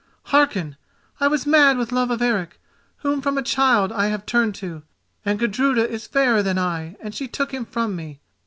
Hearken: I was mad with love of Eric, whom from a child I have turned to, and Gudruda is fairer than I and she took him from me.